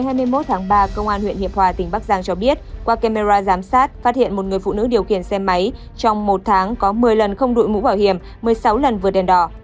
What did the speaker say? ngày hai mươi một tháng ba công an huyện hiệp hòa tỉnh bắc giang cho biết qua camera giám sát phát hiện một người phụ nữ điều khiển xe máy trong một tháng có một mươi lần không đội mũ bảo hiểm một mươi sáu lần vượt đèn đỏ